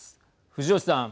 藤吉さん。